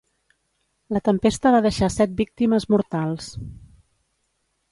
La tempesta va deixar set víctimes mortals.